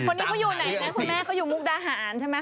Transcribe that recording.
คุณแม่ก็อยู่มุกดาหารใช่ไหมครับ